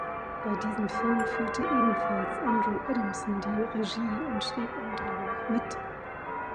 Bei diesem Film führte ebenfalls Andrew Adamson die Regie und schrieb am Drehbuch mit.